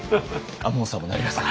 亞門さんもなりますか？